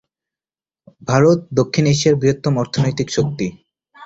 ভারত দক্ষিণ এশিয়ার বৃহত্তম অর্থনৈতিক শক্তি।